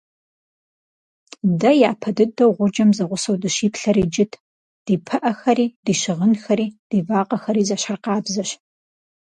Дэ япэ дыдэу гъуджэм зэгъусэу дыщиплъэр иджыт: ди пыӀэхэри, ди щыгъынхэри, ди вакъэхэри зэщхьыркъабзэщ.